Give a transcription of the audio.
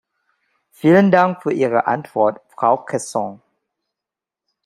Vielen Dank für Ihre Antwort, Frau Cresson.